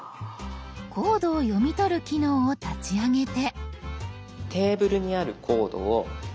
コードを読み取る機能を立ち上げて。